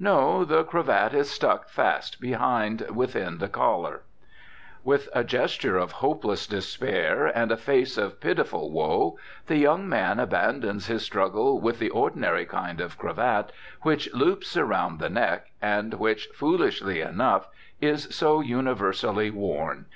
No, the cravat is stuck fast behind within the collar. With a gesture of hopeless despair and a face of pitiful woe the young man abandons his struggle with the ordinary kind of cravat which loops around the neck, and which, foolishly enough, is so universally worn.